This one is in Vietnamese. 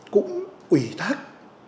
cũng ủy thác